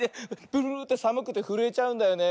ブルブルってさむくてふるえちゃうんだよね。